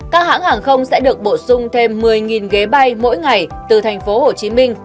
các hãng hàng không sẽ được bổ sung thêm một mươi ghế bay mỗi ngày từ thành phố hồ chí minh